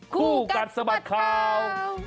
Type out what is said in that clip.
คู่กัดสะบัดข่าว